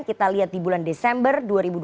kita lihat di bulan desember dua ribu dua puluh